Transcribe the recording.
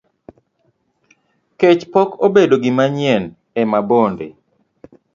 Kech pok obedo gimanyien e Mabonde.